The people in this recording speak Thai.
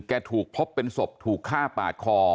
ถูกพบเป็นศพถูกฆ่าปาดคอ